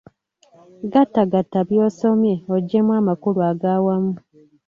Gattagatta by'osomye oggyemu amakulu aga wamu.